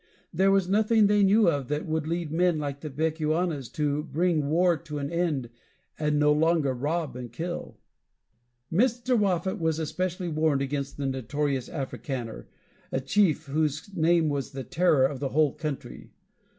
There was nothing they knew of that would lead men like the Bechuanas to bring war to an end, and no longer rob and kill. Mr. Moffat was especially warned against the notorious Africaner, a chief whose name was the terror of the whole country.